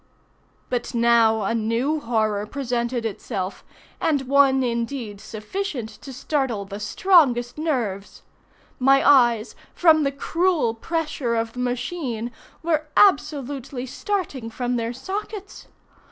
But now a new horror presented itself, and one indeed sufficient to startle the strongest nerves. My eyes, from the cruel pressure of the machine, were absolutely starting from their sockets.